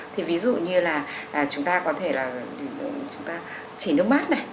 thì ví dụ như là chúng ta có thể là chỉ nước mắt này